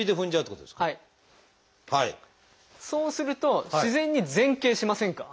そうすると自然に前傾しませんか？